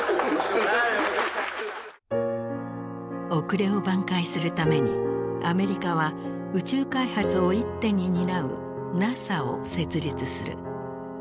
遅れを挽回するためにアメリカは宇宙開発を一手に担うＮＡＳＡを設立する。